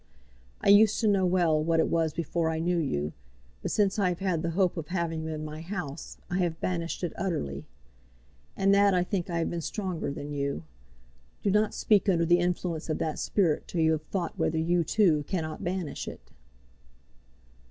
I used to know well what it was before I knew you; but since I have had the hope of having you in my house, I have banished it utterly. In that I think I have been stronger than you. Do not speak under the influence of that spirit till you have thought whether you, too, cannot banish it."